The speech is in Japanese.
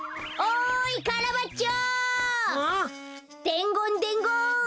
でんごんでんごん！